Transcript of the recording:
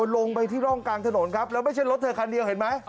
ลงไปที่ร่องกลางถนนครับแล้วไม่ใช่รถเธอคันเดียวเห็นไหม